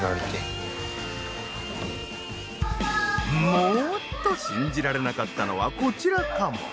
もーっと信じられなかったのはこちらかも。